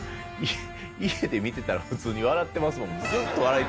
家で見てたら普通に笑ってますもん。